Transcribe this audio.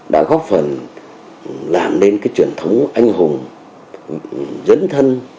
đã góp phần làm nên cái truyền thống anh hùng dẫn thân